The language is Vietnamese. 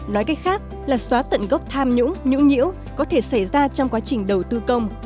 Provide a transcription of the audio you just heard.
nói cách khác là xóa tận gốc tham nhũng nhũng nhiễu có thể xảy ra trong quá trình đầu tư công